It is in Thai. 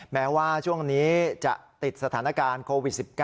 แม้ว่าช่วงนี้จะติดสถานการณ์โควิด๑๙